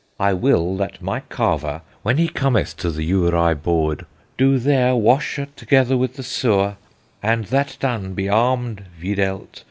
I will that my carver, when he cometh to the ewerye boorde, doe there washe together with the Sewer, and that done be armed (videlt.)